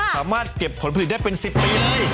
สามารถเก็บผลผลิตได้เป็น๑๐ปีเลย